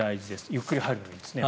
ゆっくり入るのがいいんですね。